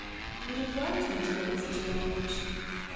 "You'd have liked me to make such a marriage."